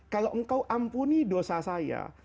kalau engkau ampuni dosa saya